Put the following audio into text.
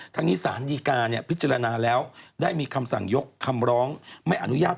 ทั้งนี้สารดีการพิจารณาแล้วได้มีคำสั่งยกคำร้องไม่อนุญาต